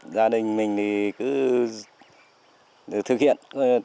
gia đình mình cứ thực hiện